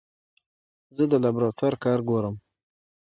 زه د لابراتوار کار ګورم.